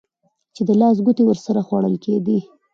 چې د لاس ګوتې ورسره خوړل کېدې.